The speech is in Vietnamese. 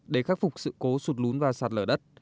để khắc phục sự cố sụt lún và sạt lở đất